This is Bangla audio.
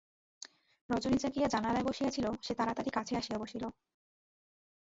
রজনী জাগিয়া জানালায় বসিয়া ছিল, সে তাড়াতাড়ি কাছে আসিয়া বসিল।